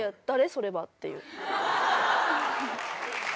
それはっていう。